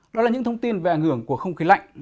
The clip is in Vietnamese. đó là những thông tin về ảnh hưởng của không khí lạnh